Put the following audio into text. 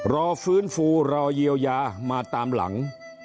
ก็รอเพื่อนฝูรอเยียวยารอตามหลัง